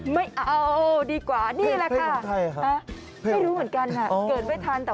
มีอาการแบบไหนฮะ